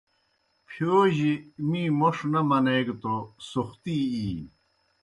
پِھیؤجیْ می موْݜ نہ منیگہ توْ سوختی اِینیْ۔